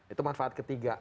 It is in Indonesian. itu manfaat ketiga